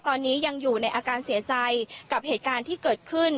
ตอนนี้ยังอยู่ในอาการเสียใจกับเหตุการณ์ที่เกิดขึ้น